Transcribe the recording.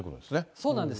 そうなんです。